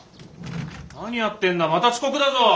何やってんだまた遅刻だぞ！